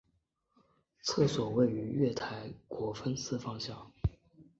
厕所位于月台国分寺方向。